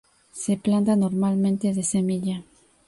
Se planta normalmente de semilla.